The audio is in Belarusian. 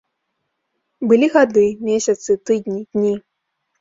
Былі гады, месяцы, тыдні, дні.